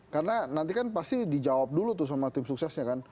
karena nanti kan pasti dijawab dulu tuh sama tim suksesnya kan